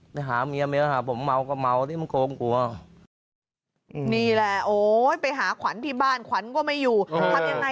ไปหาเมียเมียก็หาผมเมาก็เมานี่มันโกงกว่า